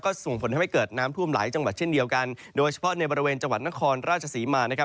ส่งผลทำให้เกิดน้ำท่วมหลายจังหวัดเช่นเดียวกันโดยเฉพาะในบริเวณจังหวัดนครราชศรีมานะครับ